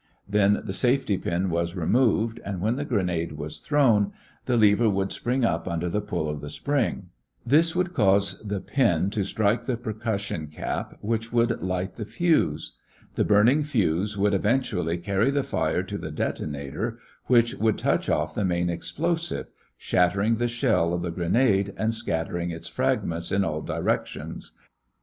Then the safety pin was removed and when the grenade was thrown, the lever would spring up under pull of the spring A. This would cause the pin B to strike the percussion cap C, which would light the fuse D. The burning fuse would eventually carry the fire to the detonator E, which would touch off the main explosive, shattering the shell of the grenade and scattering its fragments in all directions.